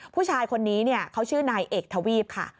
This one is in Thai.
ผู้ชายคนนี้เขาชื่อนายเอกทวีปค่ะ